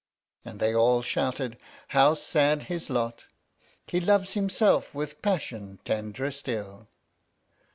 Then they all shouted : How sad his lot, He loves himself with passion tenderer still